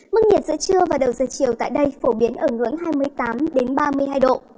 mức nhiệt giữa trưa và đầu giờ chiều tại đây phổ biến ở ngưỡng hai mươi tám ba mươi hai độ